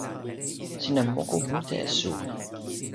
sina moku mute e suwi.